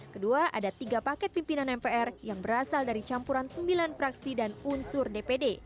kedua ada tiga paket pimpinan mpr yang berasal dari campuran sembilan fraksi dan unsur dpd